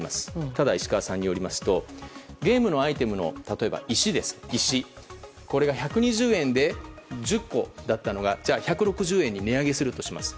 ただ石川さんによりますとゲームのアイテムの石１２０円で１０個だったのが１６０円に値上げするとします。